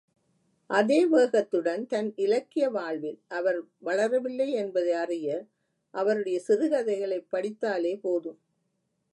அதே வேகத்துடன், தன் இலக்கிய வாழ்வில் அவர் வளரவில்லை என்பதை அறிய அவருடைய சிறுகதைகளைப் படித்தாலே போதும்!